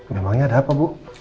memangnya ada apa bu